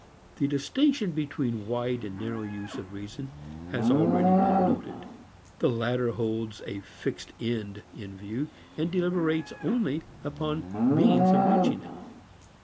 The distinction between wide and narrow use of reason has already been noted. The latter holds a fixed end in view and deliberates only upon means of reaching it.